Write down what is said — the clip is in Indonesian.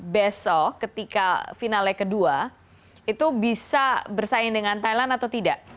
besok ketika final leg kedua itu bisa bersaing dengan thailand atau tidak